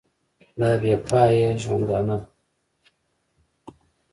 دا بې پایه ژوندانه ده.